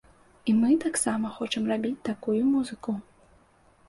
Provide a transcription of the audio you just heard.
І мы таксама хочам рабіць такую музыку.